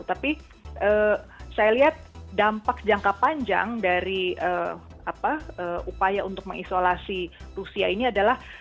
tapi saya lihat dampak jangka panjang dari upaya untuk mengisolasi rusia ini adalah